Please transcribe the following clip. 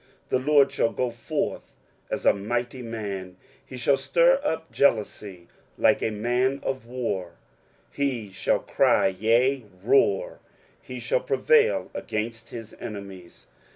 23:042:013 The LORD shall go forth as a mighty man, he shall stir up jealousy like a man of war: he shall cry, yea, roar; he shall prevail against his enemies.